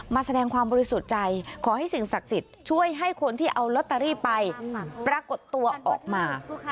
แสดงความบริสุทธิ์ใจขอให้สิ่งศักดิ์สิทธิ์ช่วยให้คนที่เอาลอตเตอรี่ไปปรากฏตัวออกมา